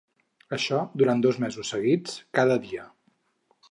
Això durant dos mesos seguits, cada dia.